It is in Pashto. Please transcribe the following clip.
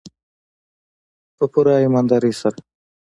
په پوره ایمانداري سره.